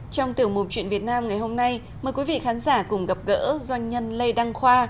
trong tiểu mục chuyện việt nam ngày hôm nay mời quý vị khán giả cùng gặp gỡ doanh nhân lê đăng khoa